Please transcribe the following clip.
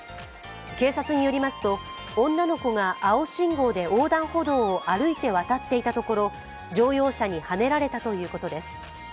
警察によりますと、女の子が青信号で横断歩道を歩いて渡っていたところ、乗用車にはねられたということです。